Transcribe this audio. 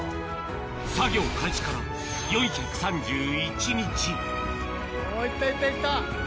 作業開始から４３１日いったいったいった。